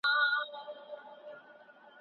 تحميلي نکاح نه دنيوي ګتي لري او نه اخروي ګټه لري.